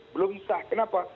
belum sah kenapa